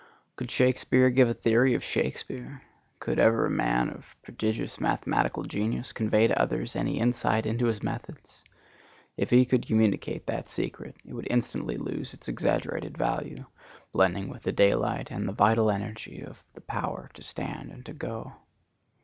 Could Shakspeare give a theory of Shakspeare? Could ever a man of prodigious mathematical genius convey to others any insight into his methods? If he could communicate that secret it would instantly lose its exaggerated value, blending with the daylight and the vital energy the power to stand and to go.